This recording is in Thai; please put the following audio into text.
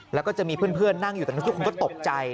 แล้วก็จะมีเพื่อนนั่งอยู่ตรงนั้นทุกคนก็ตกใจ